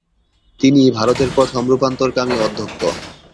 তিনি ভারতের প্রথম রূপান্তরকামী অধ্যক্ষ।